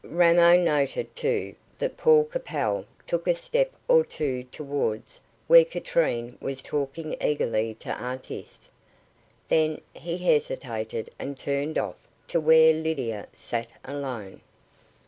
Ramo noted, too, that Paul Capel took a step or two towards where Katrine was talking eagerly to Artis. Then he hesitated and turned off to where Lydia sat alone.